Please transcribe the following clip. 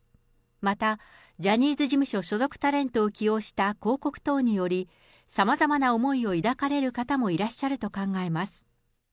またジャニーズ事務所所属タレントを起用した広告等により、さまざまな思いを抱かれる方もいらっしゃると考えます。